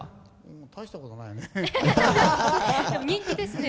大したことないよ。